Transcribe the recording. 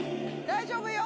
大丈夫よ。